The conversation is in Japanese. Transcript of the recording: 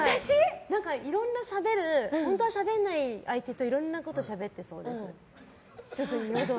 いろんな本当はしゃべらない相手といろんなことをしゃべってそう。